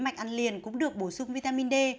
mạch ăn liền cũng được bổ sung vitamin d